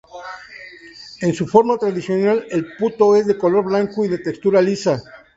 En su forma tradicional, el "puto" es de color blanco y de textura lisa.